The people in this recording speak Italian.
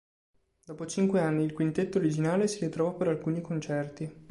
Dopo cinque anni, il quintetto originale si ritrovò per alcuni concerti.